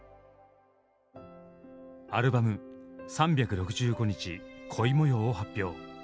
アルバム「３６５日恋もよう」を発表。